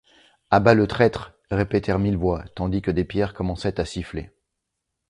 À bas le traître! répétèrent mille voix, tandis que des pierres commençaient à siffler.